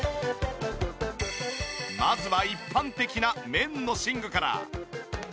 まずは一般的な綿の寝具から。